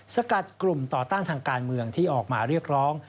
สกัดกลุ่มต่อต้านทางการเมืองที่ออกมาเรียกร้อง